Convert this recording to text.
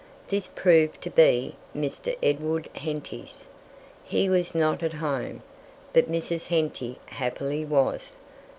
This proved to be Mr. Edward Henty's. He was not at home, but Mrs. Henty happily was.